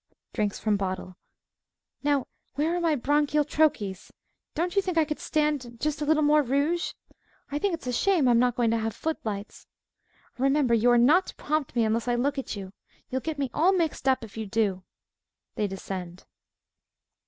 (Drinks from bottle.) Now, where are my bronchial troches? Don't you think I could stand just a little more rouge? I think it's a shame I'm not going to have footlights. Remember, you are not to prompt me, unless I look at you. You will get me all mixed up, if you do. (_They descend.